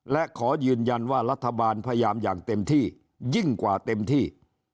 และขอยืนยันว่ารัฐบาลพยายามอย่างเต็มที่ยิ่งกว่าเต็มที่